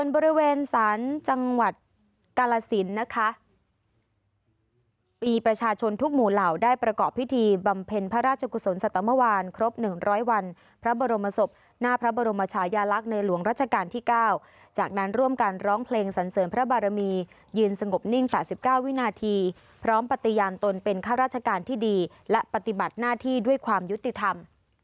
เผ็นพระราชกุศลสัตว์เมื่อวานครบ๑๐๐วันพระบรมศพหน้าพระบรมชายาลักษณ์ในหลวงราชการที่๙จากนั้นร่วมกันร้องเพลงสันเสิร์นพระบารมียืนสงบนิ่ง๓๙วินาทีพร้อมปฏิญาณตนเป็นข้าราชการที่ดีและปฏิบัติหน้าที่ด้วยความยุติธรรม